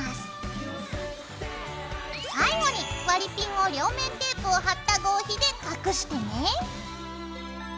最後に割りピンを両面テープを貼った合皮で隠してね。